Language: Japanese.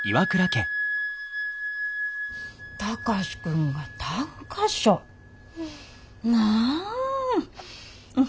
貴司君が短歌賞なぁ。